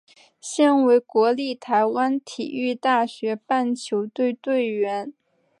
现为国立台湾体育大学棒球队队员。